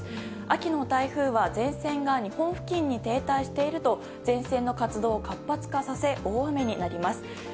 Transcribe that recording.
秋の台風は前線が日本付近に停滞していると前線の活動を活発化させ大雨になります。